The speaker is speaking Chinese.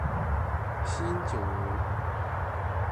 新九龙。